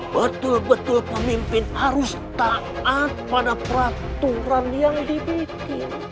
betul betul pemimpin harus taat pada peraturan yang dibikin